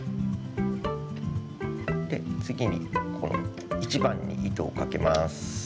次にこの１番に糸をかけます。